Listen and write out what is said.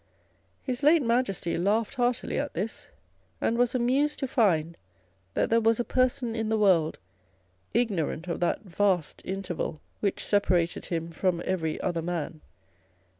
His late Majesty laughed heartily at this, and was amused to find that there was a person in the world ignorant of that vast interval which separated him from every other man.